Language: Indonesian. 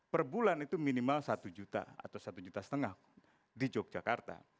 per bulan itu minimal satu juta atau satu juta setengah di yogyakarta